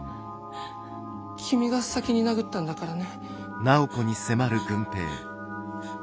君が先に殴ったんだからね。